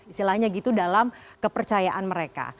istilahnya gitu dalam kepercayaan mereka